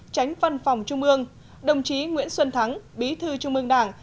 tránh văn phòng trung ương đồng chí nguyễn xuân thắng bí thư trung ương đảng